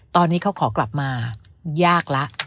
ตอนนี้เขาขอกลับมายากแล้ว